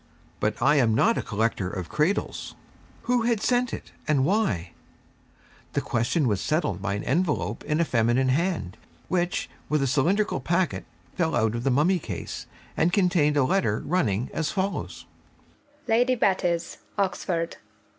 But I am not a collector of cradles. Who had sent it, and why? The question was settled by an envelope in a feminine hand, which, with a cylindrical packet, fell out of the Mummy Case, and contained a letter running as follows: _'Lady Betty's, Oxford.